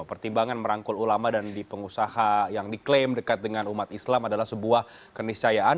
pertimbangan merangkul ulama dan di pengusaha yang diklaim dekat dengan umat islam adalah sebuah keniscayaan